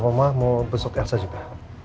oh ma mau besok elsa juga